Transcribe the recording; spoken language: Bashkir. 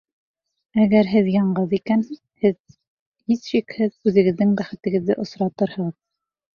Әгәр һеҙ яңғыҙ икән, һис шикһеҙ үҙегеҙҙең бәхетегеҙҙе осратырһығыҙ.